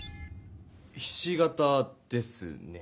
ひし形ですね。